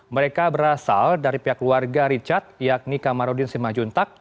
mereka berasal dari pihak keluarga richard yakni kamarudin simajuntak